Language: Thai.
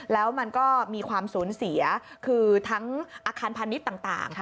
แล้วมันก็มีความสูญเสียคือทั้งอาคารพาณิชย์ต่าง